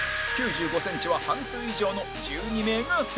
９５センチは半数以上の１２名が成功